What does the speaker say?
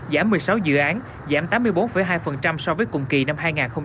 giảm một mươi sáu dự án giảm tám mươi bốn hai so với cùng kỳ năm hai nghìn một mươi chín